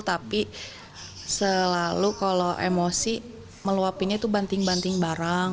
tapi selalu kalau emosi meluapinnya itu banting banting barang